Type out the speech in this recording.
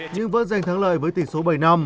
nhưng vẫn giành thắng lợi với tỷ số bảy năm